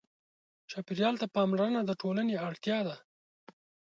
چاپېریال ته پاملرنه د ټولنې اړتیا ده.